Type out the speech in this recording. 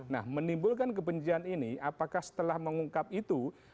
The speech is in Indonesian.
nah menimbulkan kebencian ini apakah setelah mengungkap itu